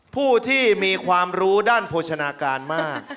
ผู้ที่มีความรู้ด้านโภชนาการมาก